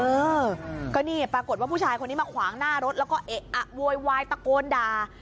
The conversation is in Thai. เออก็นี่ปรากฏว่าผู้ชายคนนี้มาขวางหน้ารถแล้วก็เอะอะโวยวายตะโกนด่า